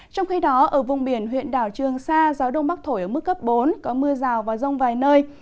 trong khi đó ở vùng biển huyện đảo trường sa gió đông bắc thổi ở mức cấp bốn có mưa rào và rông vài nơi